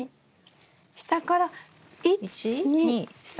下から１２３。